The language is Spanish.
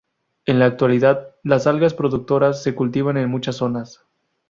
En la actualidad, las algas productoras se cultivan en muchas zonas.